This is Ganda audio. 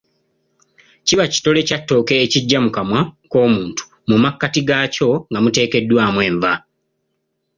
Kiba kitole kya ttooke ekigya mu kamwa k'omuntu mu makkati gaaky'o nga muteekeddwaamu enva.